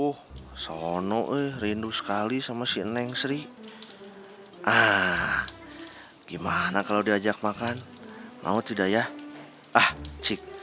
tuh sono rindu sekali sama si neng sri ah gimana kalau diajak makan mau tidak ya ah cik